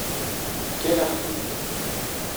Fkan-aɣ-t-id.